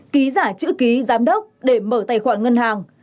ký giả chữ ký giám đốc để mở tài khoản ngân hàng